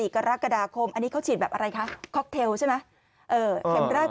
กรกฎาคมอันนี้เขาฉีดแบบอะไรคะค็อกเทลใช่ไหมเข็มแรก